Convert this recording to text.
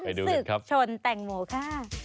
ไปดูกันครับศึกชนแต่งโหมค่ะ